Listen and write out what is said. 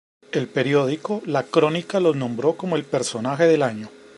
El periódico "La Crónica" los nombró como el personaje del año.